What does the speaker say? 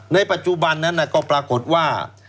ในปัจจุบันนั้นก็ปรากฏว่า